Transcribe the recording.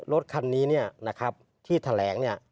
รถคันนี้เนี่ยนะครับที่แถลงเนี่ย